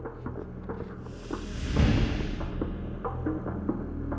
ไปไอ้มายอยู่ออกชีวิตให้ไว้